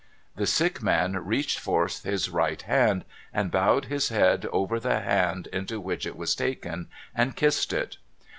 The sick man reached forth his right hand, and bowed his head 448 MUGBY JUNCTION over the hand into which it was taken, and kissed it.